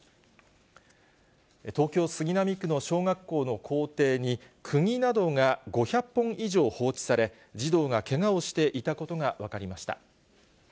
東京・杉並区の小学校の校庭に、くぎなどが５００本以上放置され、児童がけがをしていたことが分かりました。